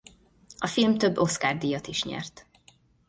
A film több Oscar-díjat is nyert.